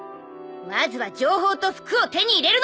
まずは情報と服を手に入れるの。